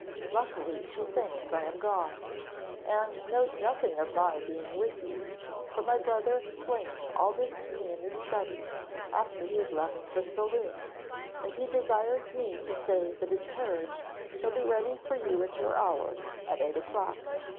Luckily, she thinks I am gone, and knows nothing of my being with you; for my brother explained all this to me in his study, after we had left the saloon, and he desires me to say that his carriage shall be ready for you at your hour, at eight o'clock.